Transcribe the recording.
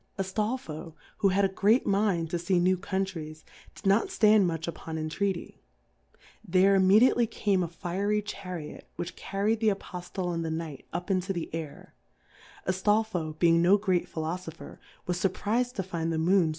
Aftolfo, who had a great Mind to fee New Countries^ did not ft and much upon intreaty, there im* mediately came a fiery Chariot which carrfd the Apoftleand the Kjtight up into the Air , Aftolfo being no great Philofopher^ was furpriz^d to find the Moony2?